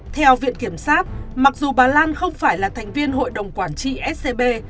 theo viện kiểm sát mặc dù bà lan không phải là thành viên hội đồng quản trị scb